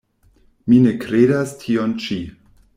Mi ne kredas tion ĉi.